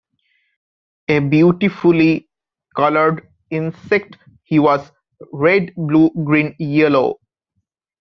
A beautifully coloured insect he was-red, blue, green, yellow.